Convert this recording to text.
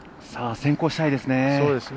先行したいですね。